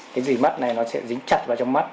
cái gì mắt này nó sẽ dính chặt vào trong mắt